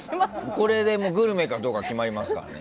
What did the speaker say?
これでグルメかどうか決まりますからね。